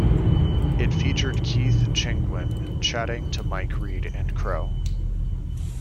It featured Keith Chegwin chatting to Mike Read and Crow.